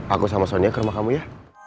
aku sama sonia ke rumah kamu ya